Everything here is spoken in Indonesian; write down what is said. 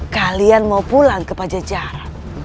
kalian mau pulang ke pajajar